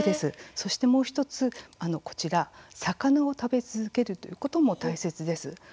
そしてもう１つ、こちら魚を食べ続けるということも大切です。